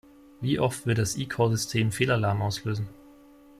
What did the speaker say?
Wie oft wird das eCall-System Fehlalarm auslösen?